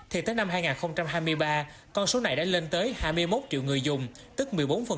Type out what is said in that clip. thì tới năm hai nghìn hai mươi ba con số này đã lên tới hai mươi một triệu người dùng tức một mươi bốn